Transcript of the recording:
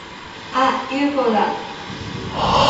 あっ！ユーフォーだ！